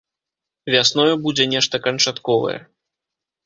Вясною будзе нешта канчатковае.